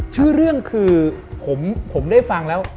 ชื่อเรื่องคือผมได้ฟังแล้ว